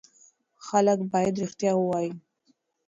خلک باید رښتیا ووایي.